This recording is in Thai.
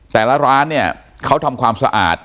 แต่ละร้านเนี่ยเขาทำความสะอาด